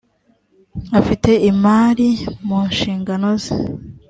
afite imari mu nshingano ze .